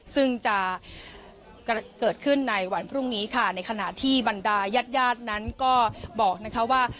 ซึ่งจะเกิดขึ้นในวันพรุ่งนี้ค่ะในขณะที่บรรดายาดนั้นก็บอกนะคะว่า